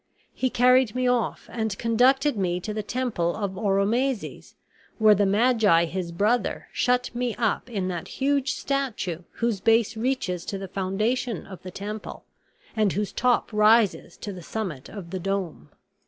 He carried me off and conducted me to the temple of Oromazes, where the magi his brother shut me up in that huge statue whose base reaches to the foundation of the temple and whose top rises to the summit of the dome.